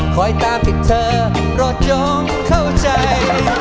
คอยตามที่เธอรอดยงเข้าใจ